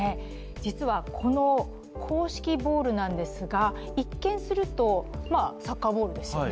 実はこの公式ボールなんですが、一見するとサッカーボールですよね。